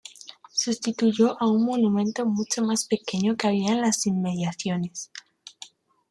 Sustituyó a un monumento mucho más pequeño que había en las inmediaciones.